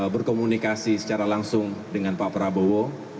berkomunikasi secara langsung dengan pak prabowo